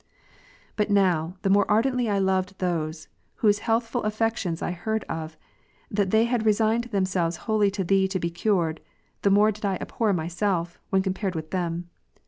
But now, the more ardently I loved those, whose healthful affections I heard of, that they had resigned them selves Avholly to Thee to be cured, the more did I abhor my self % when compared with them.